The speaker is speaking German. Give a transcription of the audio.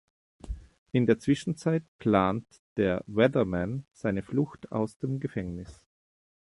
In der Zwischenzeit plant der Weather Man seine Flucht aus dem Gefängnis.